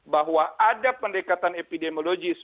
bahwa ada pendekatan epidemiologis